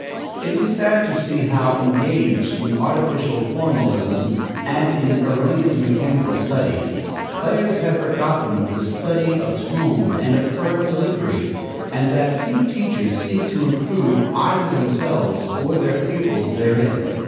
It is sad to see how, engaged in artificial formalisms and in erroneous mechanical studies, players have forgotten the study of tone and of correct delivery, and that few teachers seek to improve either themselves or their pupils therein.